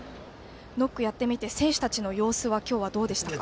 ノックをやってみて選手たちの様子は今日はどうでしたか？